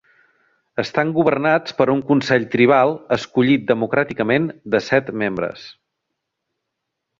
Estan governats per un consell tribal escollit democràticament de set membres.